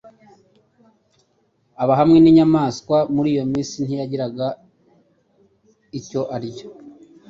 aba hamwe n'inyamaswa.” “Mur'iyo minsi ntiyagira icyo arya